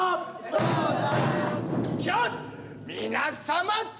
そうだ！